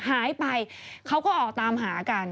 หายไปเขาก็ออกตามหากัน